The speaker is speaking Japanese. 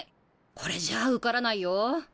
これじゃあ受からないよ。